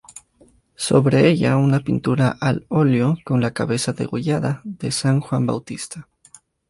Sobre ella una pintura al óleo con la cabeza degollada de San Juan Bautista.